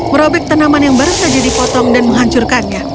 merobek tanaman yang barusan jadi potong dan menghancurkannya